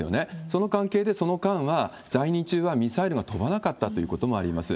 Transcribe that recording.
その関係で、その間は在任中はミサイルが飛ばなかったということもあります。